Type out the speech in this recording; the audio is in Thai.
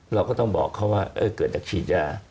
เราก็ต้องบอกเขาว่าเกิดจากฉีดยา